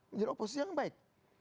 menjadi oposisi yang baik